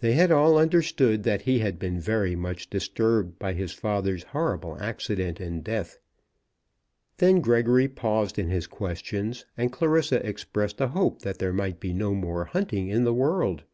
They had all understood that he had been very much disturbed by his father's horrible accident and death. Then Gregory paused in his questions, and Clarissa expressed a hope that there might be no more hunting in the world.